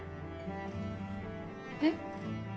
えっ？